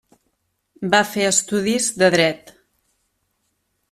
Va fer estudis de dret.